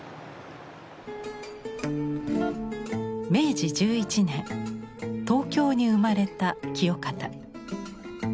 明治１１年東京に生まれた清方。